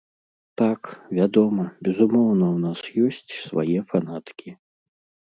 Так, вядома, безумоўна ў нас ёсць свае фанаткі.